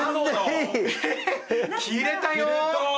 着れたよ！